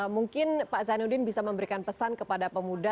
mungkin pak zainuddin bisa memberikan pesan kepada pemuda